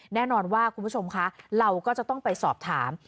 แน่นอนว่าคุณผู้ชมคะเราก็จะต้องไปสอบถาม